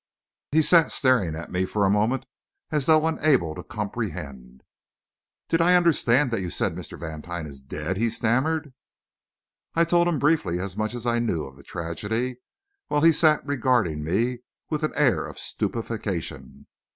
He sat staring at me for a moment, as though unable to comprehend. "Did I understand that you said Mr. Vantine is dead?" he stammered. I told him briefly as much as I knew of the tragedy, while he sat regarding me with an air of stupefaction.